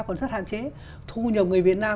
còn rất hạn chế thu nhập người việt nam